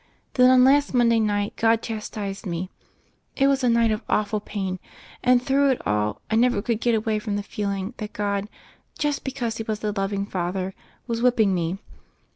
Then on last Monday night God chastised me. It was a night of* awful pain, and, through it all, I never could get away from the feeling that God, just because He was a loving Father, was whipping me.